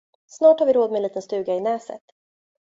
Snart har vi råd med en liten stuga i Näset.